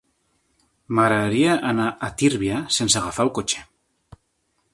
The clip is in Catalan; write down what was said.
M'agradaria anar a Tírvia sense agafar el cotxe.